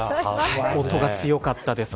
音が強かったです。